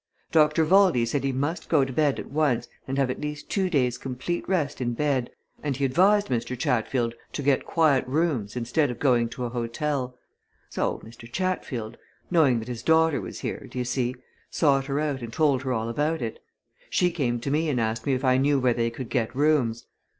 Dr. Valdey said he must go to bed at once and have at least two days' complete rest in bed, and he advised Mr. Chatfield to get quiet rooms instead of going to a hotel. So Mr. Chatfield, knowing that his daughter was here, do you see, sought her out and told her all about it. She came to me and asked me if I knew where they could get rooms.